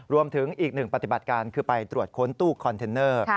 รวมถึงอีกหนึ่งปฏิบัติการคือไปตรวจค้นตู้คอนเทนเนอร์